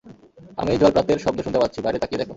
আমি জলপ্রাতের শব্দ শুনতে পাচ্ছি, - বাইরে তাকিয়ে দেখো।